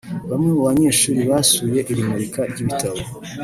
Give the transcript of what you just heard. Bamwe mu banyeshuri basuye iri murika ry’ibitabo